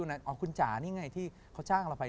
เอาคุณจานึงไงที่เขาช่างเราไป